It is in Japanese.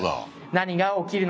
何が起きるのか